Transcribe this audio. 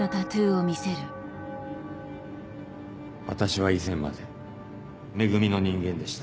私は以前まで「め組」の人間でした。